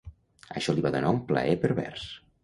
Això li va donar un plaer pervers.